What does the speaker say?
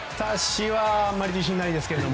私はあまり自信ないですけど。